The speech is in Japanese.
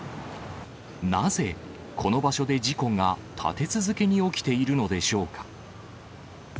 なぜ、この場所で事故が立て続けに起きているのでしょうか。